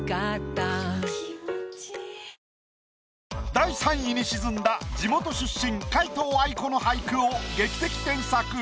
第３位に沈んだ地元出身皆藤愛子の俳句を劇的添削。